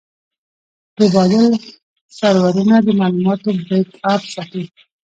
د بادل سرورونه د معلوماتو بیک اپ ساتي.